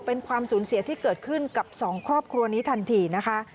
เป็นความสูญเสียที่เกิดขึ้นกับสองครอบครัวนี้ทันทีนะคะ